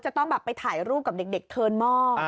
จะต้องแบบไปถ่ายรูปกับเด็กเทิร์นหม้อ